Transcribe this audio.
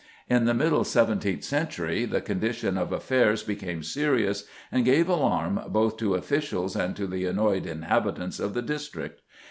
In the middle seventeenth century the condition of affairs became serious and gave alarm both to officials and to the annoyed inhabitants of the district.